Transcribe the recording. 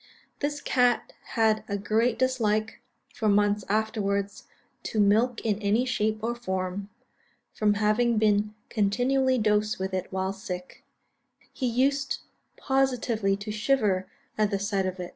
This cat had a great dislike, for months afterwards, to milk in any shape or form; from having been continually dosed with it while sick, he used positively to shiver at the sight of it.